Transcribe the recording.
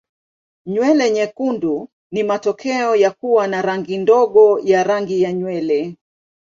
Nywele nyekundu ni matokeo ya kuwa na rangi ndogo ya rangi ya nywele.